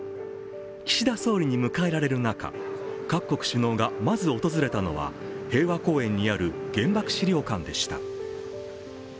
岸田総理に迎えられる中、各国首脳がまず訪れたのは平和公園にある原爆資料館でした。